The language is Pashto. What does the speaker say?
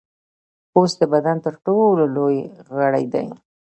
پوست د بدن تر ټولو لوی غړی دی.